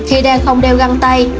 khi đang không đeo găng tay